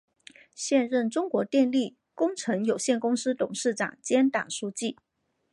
现任中国电力工程有限公司董事长兼党书记。